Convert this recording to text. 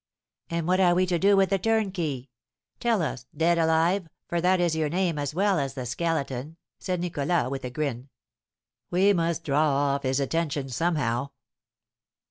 "And what are we to do with the turnkey? Tell us, Dead Alive, for that is your name as well as the Skeleton," said Nicholas, with a grin. "We must draw off his attention somehow."